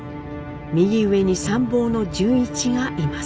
右上に参謀の潤一がいます。